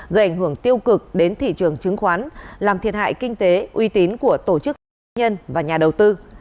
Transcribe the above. gây ảnh hưởng tiêu cực đến thị trường chứng khoán làm thiệt hại kinh tế uy tín của tổ chức cá nhân và nhà đầu tư